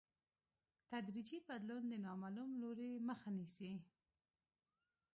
تدریجي بدلون د نامعلوم لوري مخه نیسي.